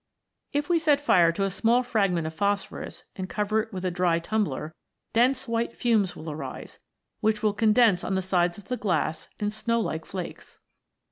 If we set fire to a small fragment of phosphorus and cover it with a dry tumbler, dense white fumes will arise, which will condense on the sides of the glass in snow like flakes.